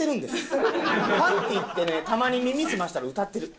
パンティーってねたまに耳すましたら歌ってる。